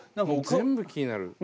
もう全部気になる。